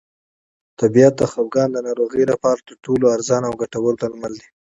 طبیعت د خپګان د ناروغۍ لپاره تر ټولو ارزانه او ګټور درمل دی.